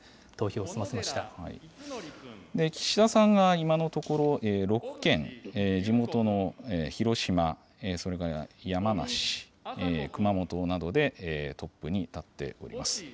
岸田さんが今のところ、６県、地元の広島、それから山梨、熊本などでトップになっております。